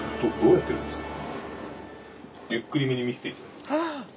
ゆっくりめに見せていただいて。